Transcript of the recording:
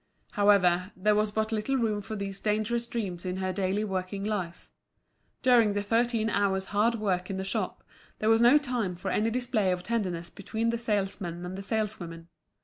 However, there was but little room for these dangerous dreams in her daily working life. During the thirteen hours' hard work in the shop, there was no time for any display of tenderness between the salesmen and the saleswomen.